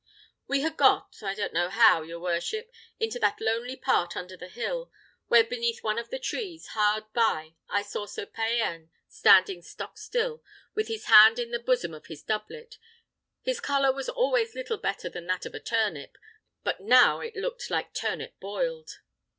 We had got, I don't know how, your worship, into that lonely part under the hill, when beneath one of the trees hard by I saw Sir Payan standing stock still, with his hand in the bosom of his doublet. His colour was always little better than that of a turnip, but now it looked like a turnip boiled."